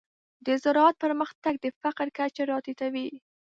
د زراعت پرمختګ د فقر کچه راټیټوي.